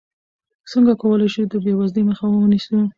څنګه کولی شو د بېوزلۍ مخه ونیسو؟